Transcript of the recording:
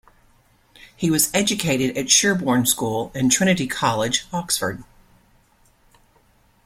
He was educated at Sherborne School, and Trinity College, Oxford.